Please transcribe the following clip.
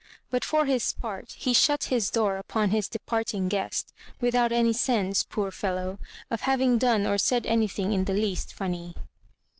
But for his part he shut his door upon his departing guest, without any sense, poor fellow, of having done or said anything in the least fun ny.